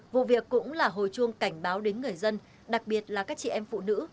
vụ việc cũng là hồi chuông cảnh báo đến người dân đặc biệt là các chị em phụ nữ